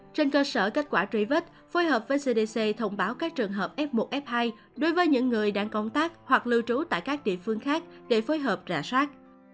trên cơ sở kết quả truy vết phối hợp với cdc thông báo các trường hợp f một f hai đối với những người đang công tác hoặc lưu trú tại các địa phương khác để phối hợp rạ sát